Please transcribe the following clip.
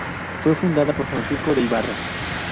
Fue fundada por Francisco de Ibarra.